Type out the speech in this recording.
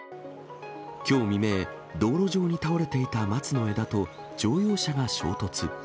きょう未明、道路上に倒れていた松の枝と乗用車が衝突。